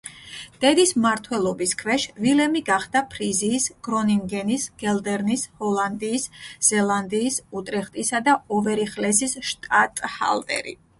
დედის მმართველობის ქვეშ ვილემი გახდა ფრიზიის, გრონინგენის, გელდერნის, ჰოლანდიის, ზელანდიის, უტრეხტისა და ოვერიხლესის შტატჰალტერი.